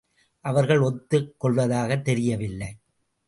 அவர்கள் ஒத்துக் கொள்வதாகத் தெரியவில்லை.